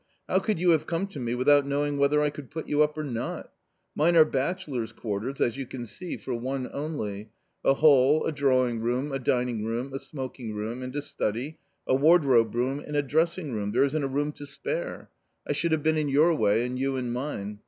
How could you have come to me without knowing whether I could put you up, or not ? Mine are bachelor's quarters, as you can see, for one only ; a hall, a drawing room, a dining room, a smoking room and a study, a wardrobe room and a dressing room— there isn't a room to spare. I v A COMMON STORY 35 should have been in your way and you in mine.